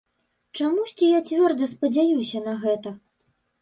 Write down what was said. Чамусьці я цвёрда спадзяюся на гэта.